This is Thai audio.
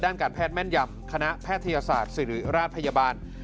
การแพทย์แม่นยำคณะแพทยศาสตร์ศิริราชพยาบาล